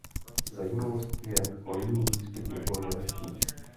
Zajímavostí je hojný výskyt jabloně lesní.